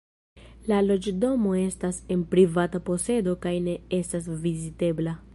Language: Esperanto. La loĝdomo estas en privata posedo kaj ne estas vizitebla.